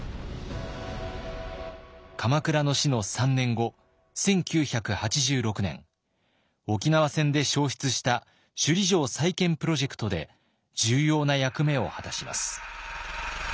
鎌倉の死の３年後１９８６年沖縄戦で焼失した首里城再建プロジェクトで重要な役目を果たします。